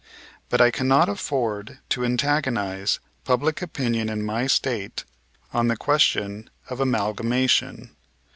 But I cannot afford to antagonize public opinion in my State on the question of amalgamation.